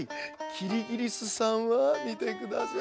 キリギリスさんはみてください。